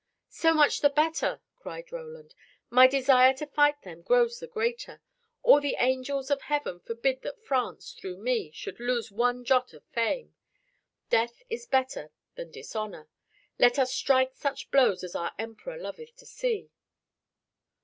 "So much the better," cried Roland, "my desire to fight them grows the greater. All the angels of heaven forbid that France, through me, should lose one jot of fame. Death is better than dishonor. Let us strike such blows as our Emperor loveth to see."